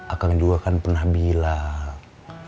akang dua kan pernah bilang